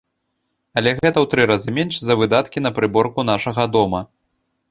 Але гэта ў тры разы менш за выдаткі на прыборку нашага дома.